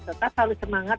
tetap harus semangat